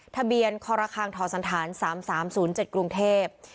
ทะเบียนคอราคางทอสันฐานสามสามศูนย์เจ็ดกรุงเทพ